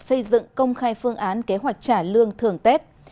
xây dựng công khai phương án kế hoạch trả lương thường tết